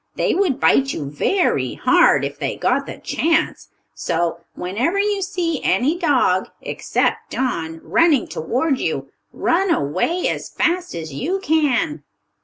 They would bite you very hard if they got the chance. So, whenever you see any dog, except Don, running toward you, run away as fast as you can."